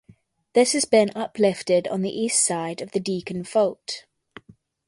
This has been uplifted on the east side of the Deakin Fault.